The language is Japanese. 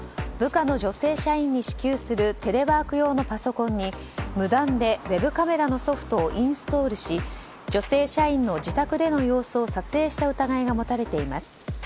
部下の女性社員に支給するテレワーク用のパソコンに無断でウェブカメラのソフトをインストールし女性社員の自宅での様子を撮影した疑いが持たれています。